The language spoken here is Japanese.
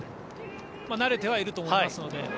慣れてはいると思いますので。